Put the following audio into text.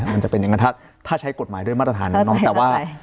มันจะเป็นอย่างนั้นถ้าใช้กฎหมายด้วยมาตรฐานน้องแต่ว่า